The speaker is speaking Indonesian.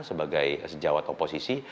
sebagai sejawat oposisi